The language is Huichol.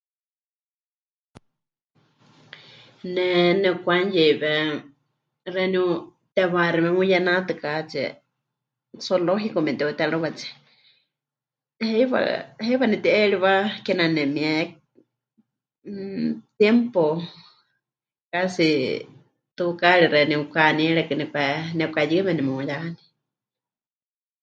Ne nekwa'anuyeiwé xeeníu tewaáxi memuyenatɨkatsie, Zoológico memɨte'utérɨwatsie, heiwa, heiwa nepɨti'eriwa kename nemie, mmm, tiempo casi, tukaari xeeníu mɨkahaníerekɨ nepɨkwe... nepɨkayɨwe nemeuyaní.